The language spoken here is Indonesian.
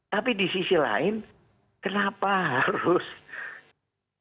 tapi di sisi lain kenapa harus tidak ada kesempatan untuk berhenti doper lidi gitu loh